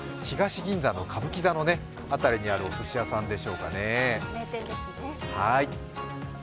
東銀座の歌舞伎座の辺りにあるおすし屋さんでしょうかね。